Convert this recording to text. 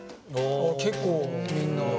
結構みんな。